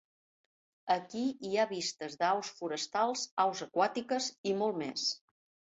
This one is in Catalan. Aquí hi ha visites de aus forestals, aus aquàtiques i molt més.